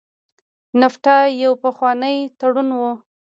نفټا یو پخوانی تړون و.